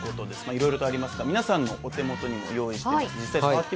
いろいろとありますが、皆さんのお手元にも用意してます。